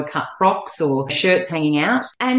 harus sesuatu yang sesuai